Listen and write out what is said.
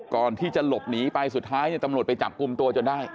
ก่อนที่จะหลบหนีไปสุดท้ายตำรวจไปจับกลุ่มตัวจนได้